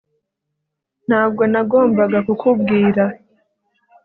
ntabwo nagombaga kukubwira